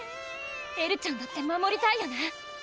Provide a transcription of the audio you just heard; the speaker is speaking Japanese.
エルちゃんだって守りたいよね